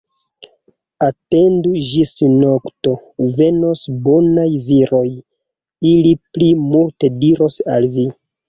Atendu ĝis nokto, venos bonaj viroj, ili pli multe diros al vi.